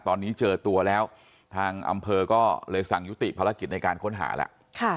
ตอนนี้เจอตัวแล้วทางอำเภอก็เลยสั่งยุติภารกิจในการค้นหาแล้ว